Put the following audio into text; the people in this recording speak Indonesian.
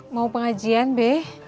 mau pengajian be